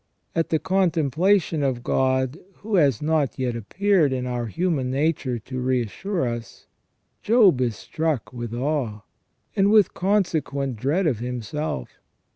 At the con templation of God, who has not yet appeared in our human nature to reassure us. Job is struck with awe, and with consequent dread of himself.